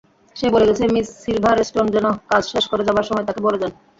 সে বলে গেছে Miss Silverstone যেন কাজ শেষ করে যাবার সময় তাকে বলে যান।